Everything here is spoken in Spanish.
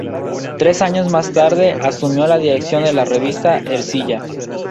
Tres años más tarde asumió la dirección de la revista "Ercilla".